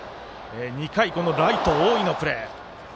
２回、ライト大井のプレー。